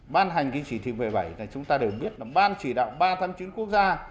ban hành kinh chỉ thị v bảy này chúng ta đều biết là ban chỉ đạo ba trăm tám mươi chín quốc gia